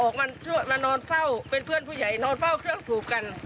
ออกมานอนเฝ้าเป็นเพื่อนผู้ใหญ่นอนเฝ้าเครื่องสูบกัน